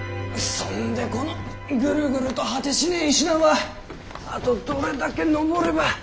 そんでこのぐるぐると果てしねぇ石段はあとどれだけ上れば。